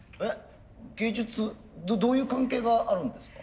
どういう関係があるんですか？